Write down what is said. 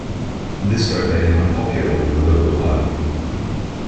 This vote made him unpopular within the Liberal Party.